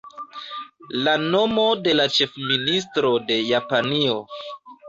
La nomo de la ĉefministro de Japanio.